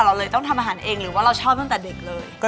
เราเลยต้องทำอาหารเองหรือว่าเราชอบตั้งแต่เด็กเลย